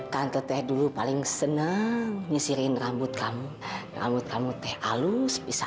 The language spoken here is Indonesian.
tante teh dulu paling seneng ngisirin rambut kamu rambut rambut teh halus pisang